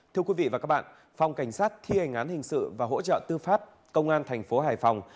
thưa quý vị và các bạn phòng cảnh sát thi hành án hình sự và hỗ trợ tư pháp công an thành phố hải phòng